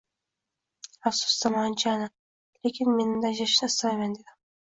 «Afsusdaman Jana, lekin men endi ajrashishni istamayman», dedim